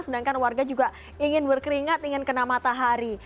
sedangkan warga juga ingin berkeringat ingin kena matahari